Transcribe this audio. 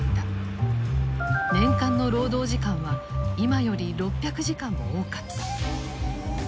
年間の労働時間は今より６００時間も多かった。